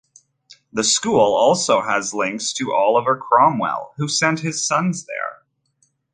The school also has links to Oliver Cromwell, who sent his sons there.